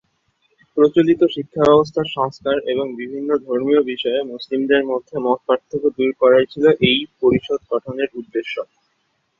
প্রচলিত শিক্ষাব্যবস্থার সংস্কার এবং বিভিন্ন ধর্মীয় বিষয়ে মুসলিমদের মধ্যে মতপার্থক্য দূর করাই ছিল এই পরিষদ গঠনের উদ্দেশ্য।